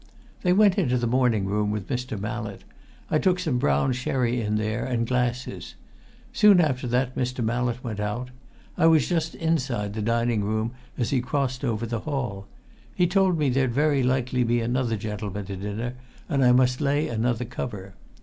"They went into the morning room with Mr. Mallett. I took some brown sherry in there and glasses. Soon after that, Mr. Mallett went out. I was just inside the dining room as he crossed the hall. He told me there'd very likely be another gentleman to dinner, and I must lay another cover.